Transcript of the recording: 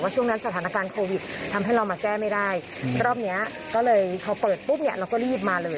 ช่วงนั้นสถานการณ์โควิดทำให้เรามาแก้ไม่ได้รอบเนี้ยก็เลยพอเปิดปุ๊บเนี่ยเราก็รีบมาเลย